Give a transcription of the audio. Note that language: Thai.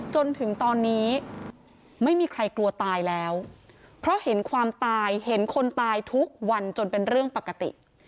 จนถึงตอนนี้ไม่มีใครกลัวตายแล้วเพราะเห็นความตายเห็นคนตายทุกวันจนเป็นเรื่องปกติ